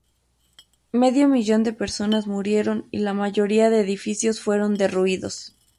Medio millón de personas murieron y la mayoría de edificios fueron derruidos.